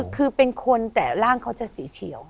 คือเป็นคนแต่ร่างเขาจะสีเขียว